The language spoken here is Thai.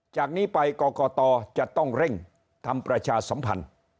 จากนี้ไปกรกตจะต้องเร่งทำประชาสัมพันธ์